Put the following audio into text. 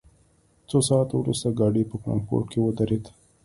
څو ساعته وروسته ګاډی په فرانکفورټ کې ودرېد